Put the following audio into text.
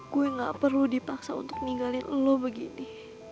gue gak perlu dipaksa untuk ninggalin lo begini